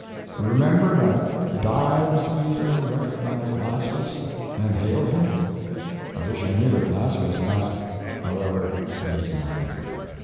You remember that Dives easily recognized Lazarus, and hailed him. I wish I knew if Lazarus asked—however, it is no matter.